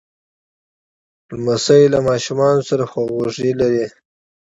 لمسی له ماشومانو سره خواخوږي لري.